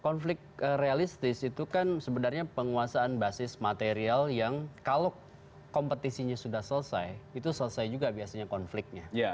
konflik realistis itu kan sebenarnya penguasaan basis material yang kalau kompetisinya sudah selesai itu selesai juga biasanya konfliknya